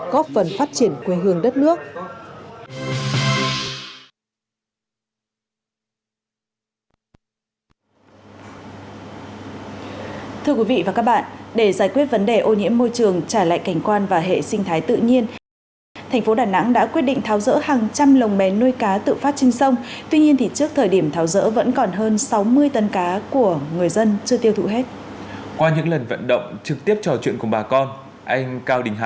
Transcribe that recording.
có phần phát triển quê hương đất nước